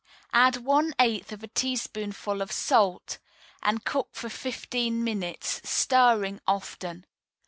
Add one eighth of a teaspoonful of salt, and cook for fifteen minutes, stirring often.